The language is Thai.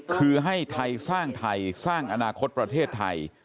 คือให้ไทยสร้างไทยสร้างอนาคตประเทศไทย